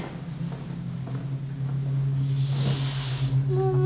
ママ。